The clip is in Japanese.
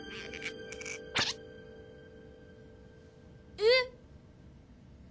えっ！